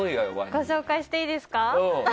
ご紹介していいですか？